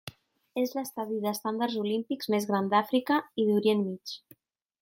És l'estadi d'estàndards olímpics més gran d'Àfrica i Orient Mig.